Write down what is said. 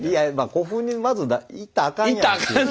古墳にまず行ったらあかんやんっていう。